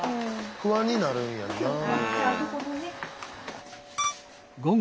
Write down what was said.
不安になるんやなあ。